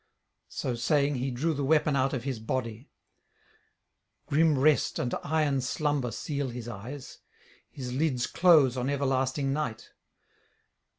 So saying, he drew the weapon out of his body. [745 780]Grim rest and iron slumber seal his eyes; his lids close on everlasting night.